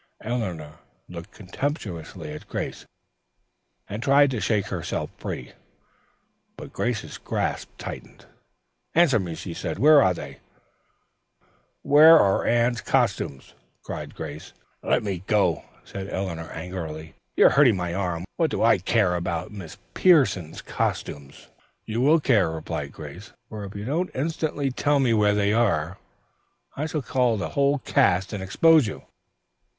Eleanor looked contemptuously at Grace and tried to shake herself free, but Grace's grasp tightened. "Answer me," she said. "Where are they?" [Illustration: "Where Are Anne's Costumes?" Cried Grace.] "Let me go," said Eleanor angrily. "You are hurting my arm. What do I care about Miss Pierson's costumes?" "You will care," replied Grace. "For if you don't instantly tell me where they are, I shall call the whole cast and expose you."